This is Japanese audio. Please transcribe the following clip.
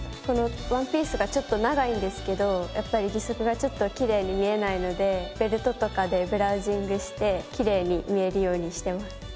このワンピースがちょっと長いんですけどやっぱり義足がちょっときれいに見えないのでベルトとかでブラウジングしてきれいに見えるようにしてます。